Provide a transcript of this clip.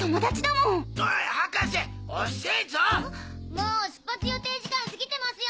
もう出発予定時間すぎてますよ！